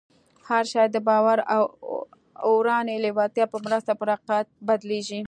هر شی د باور او اورنۍ لېوالتیا په مرسته پر حقیقت بدلېږي